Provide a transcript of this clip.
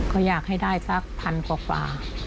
ก็อยากให้ได้สักพันกว่า